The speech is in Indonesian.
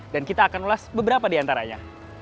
dan kita akan ulas beberapa di antaranya